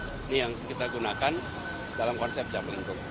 ini yang kita gunakan dalam konsep jam lengkung